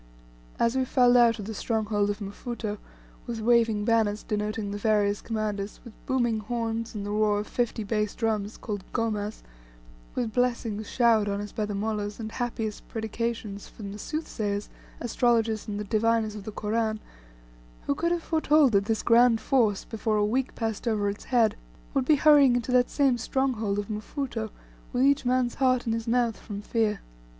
As we filed out of the stronghold of Mfuto, with waving banners denoting the various commanders, with booming horns, and the roar of fifty bass drums, called gomas with blessings showered on us by the mollahs, and happiest predications from the soothsayers, astrologers, and the diviners of the Koran who could have foretold that this grand force, before a week passed over its head, would be hurrying into that same stronghold of Mfuto, with each man's heart in his mouth from fear?